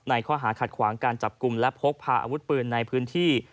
ข้อหาขัดขวางการจับกลุ่มและพกพาอาวุธปืนในพื้นที่